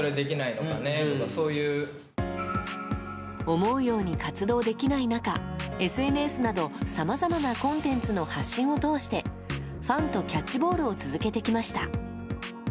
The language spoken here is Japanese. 思うように活動できない中ＳＮＳなどさまざまなコンテンツの発信を通してファンとキャッチボールを続けてきました。